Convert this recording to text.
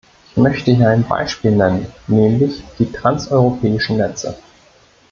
Ich möchte hier ein Beispiel nennen, nämlich die transeuropäischen Netze.